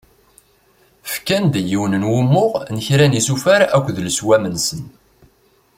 Ffkan-d yiwen n wumuɣ n kra n yisufar akked leswam-nsen.